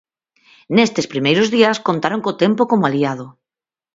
Nestes primeiros días contaron co tempo como aliado.